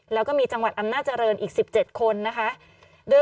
แล้วก็มีจังหวัดอำนาจริงอีก๑๗คนนะคะ